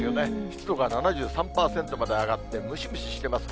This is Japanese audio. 湿度が７３％まで上がって、ムシムシしてます。